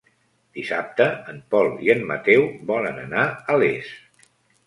Dissabte en Pol i en Mateu volen anar a Les.